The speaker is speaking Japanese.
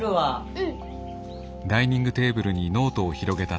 うん。